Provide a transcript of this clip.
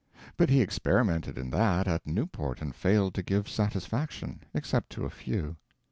But he experimented in that at Newport and failed to give satisfaction, except to a few.